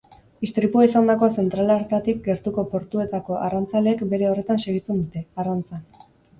Istripua izandako zentral hartatik gertuko portuetako arrantzaleek bere horretan segitzen dute, arrantzan.